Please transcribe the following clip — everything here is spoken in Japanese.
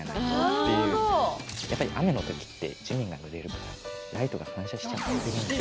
やっぱり雨の時って地面がぬれるからライトが反射しちゃってるんですよ。